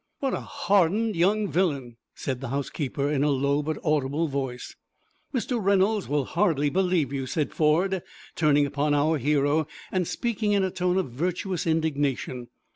"What a hardened young villain!" said the housekeeper, in a low, but audible voice. "Mr. Reynolds will hardly believe you," said Ford, turning upon our hero and speaking in a tone of virtuous indignation.